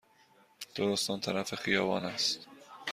درست آن طرف خیابان است.